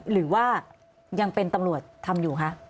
หรือว่ายังเป็นตำรวจทำอยู่คะ